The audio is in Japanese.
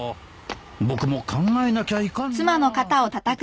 僕も考えなきゃいかんなぁ